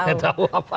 tidak tahu apa